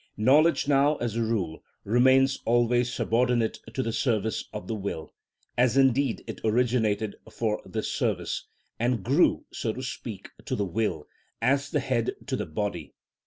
Knowledge now, as a rule, remains always subordinate to the service of the will, as indeed it originated for this service, and grew, so to speak, to the will, as the head to the body.